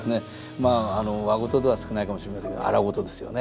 まあ和事では少ないかもしれませんけど荒事ですよね。